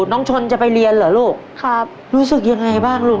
น้องชนจะไปเรียนเหรอลูกครับรู้สึกยังไงบ้างลูก